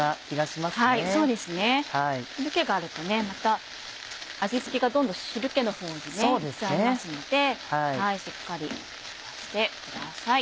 汁気があると味付けがどんどん汁気のほうに行っちゃいますのでしっかり飛ばしてください。